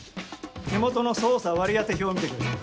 手元の捜査割り当て表を見てくれ。